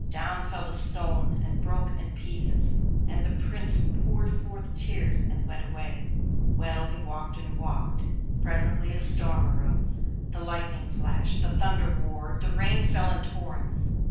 Down fell the stone and broke in pieces; the Prince poured forth tears and went away. Well, he walked and walked. Presently a storm arose; the lightning flashed, the thunder roared, the rain fell in torrents.